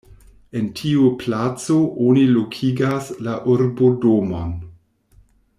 En tiu placo oni lokigas la urbodomon.